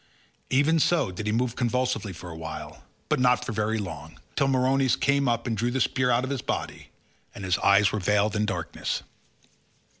Even so did he move convulsively for a while, but not for very long, till Meriones came up and drew the spear out of his body, and his eyes were veiled in darkness.